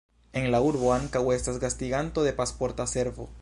En la urbo ankaŭ estas gastiganto de Pasporta Servo.